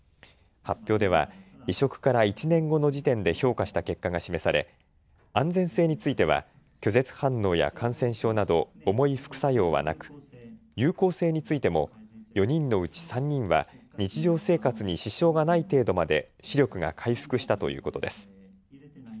発表では移植から１年後の時点で評価した結果が示され安全性については拒絶反応や感染症など重い副作用はなく有効性についても４人のうち３人は日常生活に支障がない程度まで視力が回復したということです。